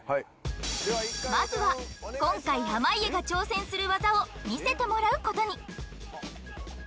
まずは今回濱家が挑戦する技を見せてもらう事に